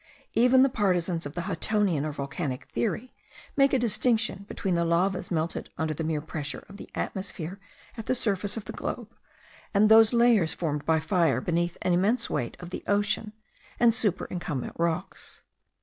Even the partisans of the Huttonian or volcanic theory make a distinction between the lavas melted under the mere pressure of the atmosphere at the surface of the globe, and those layers formed by fire beneath the immense weight of the ocean and superincumbent rocks.